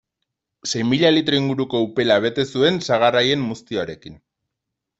Sei mila litro inguruko upela bete zuen sagar haien muztioarekin.